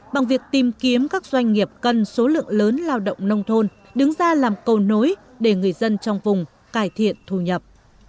bằng việc tìm kiếm các doanh nghiệp cần số lượng lớn lao động nông thôn đứng ra làm cầu nối để người dân trong vùng cải thiện thu nhập